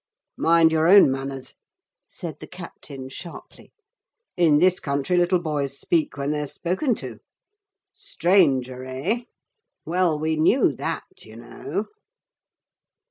'Mind your own manners,' said the captain sharply; 'in this country little boys speak when they're spoken to. Stranger, eh? Well, we knew that, you know!'